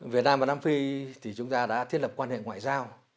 việt nam và nam phi thì chúng ta đã thiết lập quan hệ ngoại giao